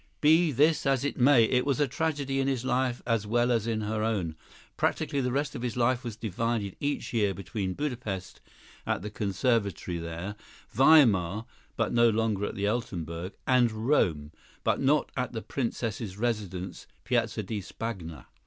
Be this as it may, it was a tragedy in his life as well as in her own. Practically the rest of his life was divided, each year, between Budapest, at the Conservatory there; Weimar, but no longer at the Altenburg; and Rome, but not at the Princess's residence, Piazza di Spagna.